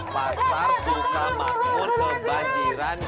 pasar suka makmur kebanjiran